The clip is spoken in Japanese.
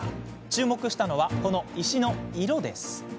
注目したのは、この石の色。